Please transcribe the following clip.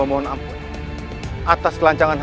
masuklah ke dalam